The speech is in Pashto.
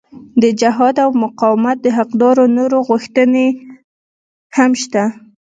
د جهاد او مقاومت د حقدارو نورې غوښتنې هم شته.